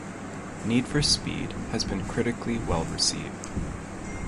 "Need for Speed" has been critically well received.